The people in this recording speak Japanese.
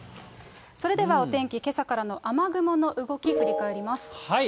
それではお天気、けさからの雨雲の動き、振り返ります。